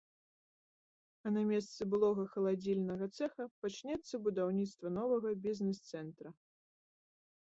А на месцы былога халадзільнага цэха пачнецца будаўніцтва новага бізнес-цэнтра.